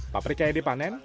paprika yang dipanen